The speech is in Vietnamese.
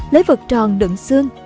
lấy vật tròn đựng xương